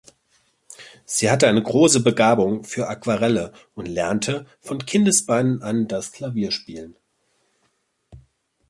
Sie hatte eine große Begabung für Aquarelle und lernte von Kindesbeinen an das Klavierspiel.